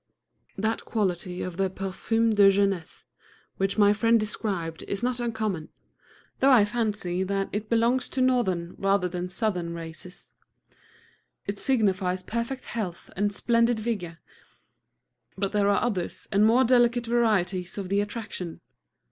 That quality of the parfum de jeunesse which my friend described is not uncommon, though I fancy that it belongs to Northern rather than to Southern races. It signifies perfect health and splendid vigor. But there are other and more delicate varieties of the attraction.